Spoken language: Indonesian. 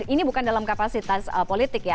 ini bukan dalam kapasitas politik ya